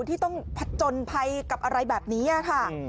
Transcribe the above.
ที่ต้องผจญภัยกับอะไรแบบนี้ค่ะ